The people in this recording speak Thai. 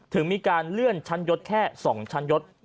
ถึงมีการเลื่อนชั้นยศแค่๒ชั้นยศ